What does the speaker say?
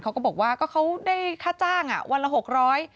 เขาก็บอกว่าก็เขาได้ค่าจ้างวันละ๖๐๐บาท